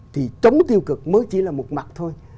thì chống tiêu cực mới chỉ là một mặt thôi